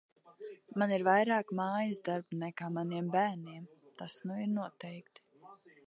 Man ir vairāk mājasdarbu nekā maniem bērniem, tas nu ir noteikti.